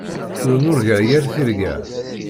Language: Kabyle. Ur nurga yir tirga.